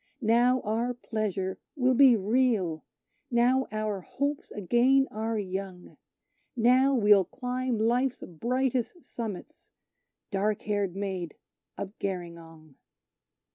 Now our pleasure will be real now our hopes again are young: Now we'll climb Life's brightest summits, dark haired Maid of Gerringong.